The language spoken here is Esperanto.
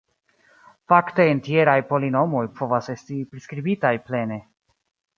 Fakte entjeraj polinomoj povas esti priskribitaj plene.